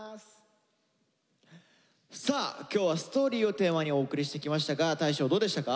さあ今日は「ＳＴＯＲＹ」をテーマにお送りしてきましたが大昇どうでしたか？